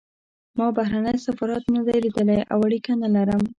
ما بهرنی سفارت نه دی لیدلی او اړیکه نه لرم.